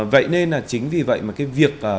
vậy nên là chính vì vậy mà cái việc